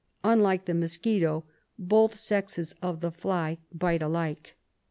Unlike the mosquito, both sexes of the fly bite alike.